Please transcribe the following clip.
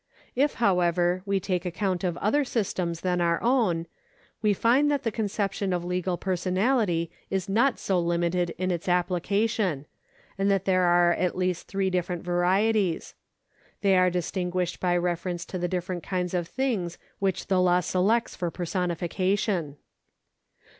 If, how ever, we take account of other systems than our own, we find that the conception of legal personality is not so limited in its application, and that there are at least three distinct varieties. They are distinguished by reference to the differ ent kinds of things which the law selects for personification.